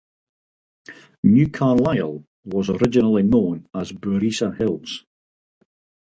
New Carlisle was originally known as Bourissa Hills.